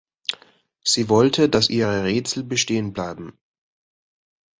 Sie wollte, dass ihre Rätsel bestehen bleiben.